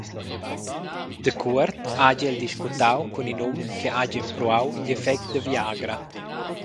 Dacuort hagi el discutau cun in um che hagi empruau igl effect da viagra.